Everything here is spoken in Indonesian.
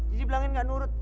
jadi bilangin nggak nurut